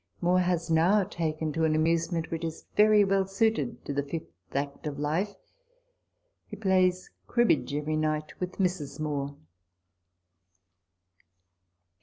' Moore has now taken to an amusement which is very well suited to the fifth act of life ; he plays cribbage every night with Mrs. Moore.